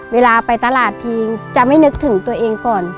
เวลาไปตลาดทีจะไม่นึกถึงตัวเองก่อน